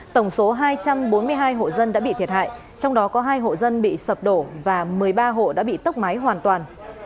tổng số hai trăm bốn mươi hai hộ dân đã bị thiệt hại trong đó có hai hộ dân bị sập đổ và một mươi ba hộ đã bị tốc máy hoàn toàn